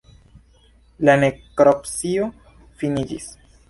La nekropsio finiĝis.